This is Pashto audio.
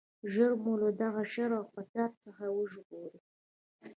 ژر مو له دغه شر او فساد څخه وژغورئ.